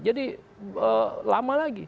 jadi lama lagi